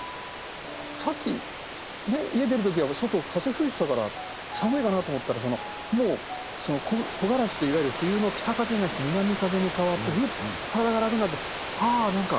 さっき家出る時は外風吹いてたから寒いかなと思ったらもう木枯らしっていわゆる冬の北風じゃなくて南風に変わってふっと体が楽になってあ何か変わったな。